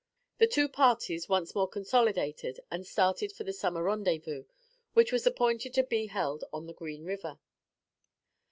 The two parties once more consolidated and started for the summer rendezvous, which was appointed to be held on the Green River.